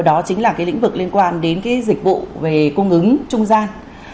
đó chính là cái lĩnh vực liên quan đến cái dịch vụ về cung ứng trung gian